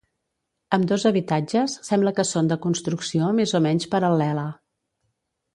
Ambdós habitatges sembla que són de construcció més o menys paral·lela.